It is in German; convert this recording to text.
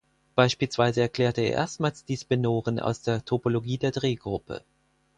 Beispielsweise erklärte er erstmals die Spinoren aus der Topologie der Drehgruppe.